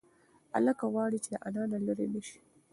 هلک غواړي چې له انا نه لرې نشي.